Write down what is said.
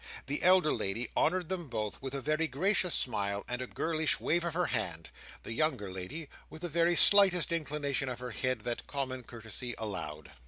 The elder lady honoured them both with a very gracious smile and a girlish wave of her hand; the younger lady with the very slightest inclination of her head that common courtesy allowed.